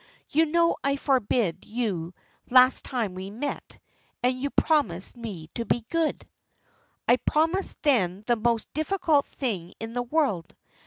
You know I forbid you last time we met, and you promised me to be good." "I promised then the most difficult thing in the world.